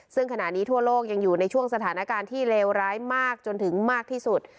ซึ่งขณะนี้ทั่วโลกยังอยู่ในช่วงสถานการณ์ที่เลวร้ายมากจนถึงมากที่สุด